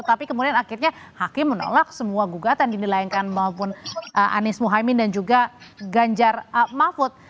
tapi kemudian akhirnya hakim menolak semua gugatan dinilaikan maupun anies mohaimin dan juga ganjar mahfud